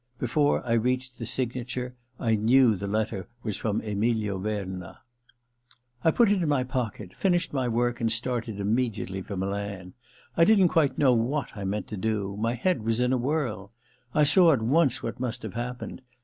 Before I reached the signa ture I knew the letter was from Emilio Verna. I put it in my pocket, finished my work and started immediately for Milan. I didn't quite know what I meant to do — my head was in a whirl. I saw at once what must have happened.